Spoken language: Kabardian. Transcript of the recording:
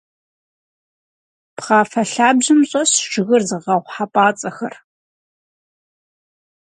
Пхъафэ лъабжьэм щӏэсщ жыгыр зыгъэгъу хьэпӏацӏэхэр.